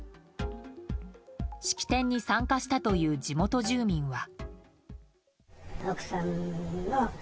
式典に参加したという地元住民は。